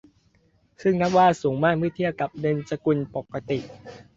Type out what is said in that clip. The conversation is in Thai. ซึ่งนับว่าสูงมากเมื่อเทียบกับเงินสกุลปกติ